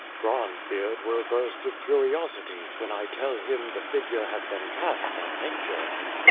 Bronzebeard will burst with curiosity when I tell him the figure has been cast from nature.